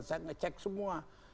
saya ngecek semua